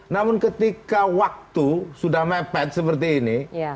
namun ketika waktu sudah mepet seperti ini